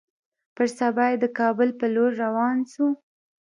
پر سبا يې د کابل پر لور روان سو.